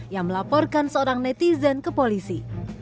yang melaporkan seorang netizen ke polisi